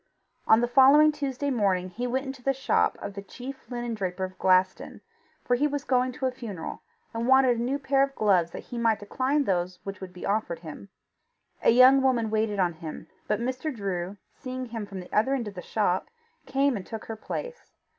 On the following Tuesday morning he went into the shop of the chief linen draper of Glaston, for he was going to a funeral, and wanted a new pair of gloves that he might decline those which would be offered him. A young woman waited on him, but Mr. Drew, seeing him from the other end of the shop, came and took her place.